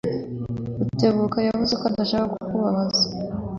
Rutebuka yavuze ko adashaka kukubabaza